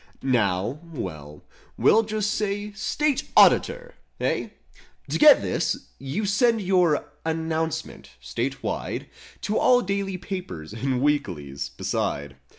Now—well, we'll just say State Auditor I Hey? To get this, you send your "Announcement"— state wide— To all daily papers and weeklies, beside.